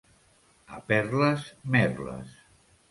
A Perles, merles.